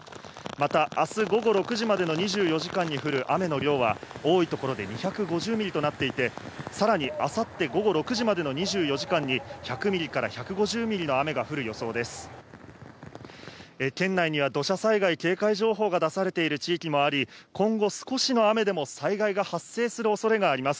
また、あす午後６時までの２４時間に降る雨の量は、多い所で２５０ミリとなっていて、さらにあさって午後６時までの２４時間に１００ミリから１５０ミリの雨が降る予想です。